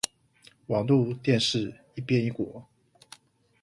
網路電視一邊一國